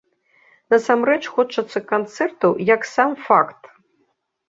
Насамрэч хочацца канцэртаў як сам факт!